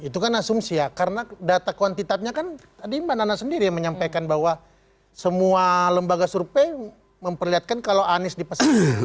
itu kan asumsi ya karena data kuantitatnya kan tadi mbak nana sendiri yang menyampaikan bahwa semua lembaga survei memperlihatkan kalau anies dipesan